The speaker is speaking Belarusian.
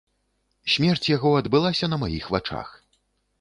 Смерць яго адбылася на маіх вачах.